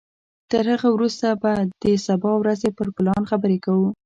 تر هغه وروسته به د سبا ورځې پر پلان خبرې کوو.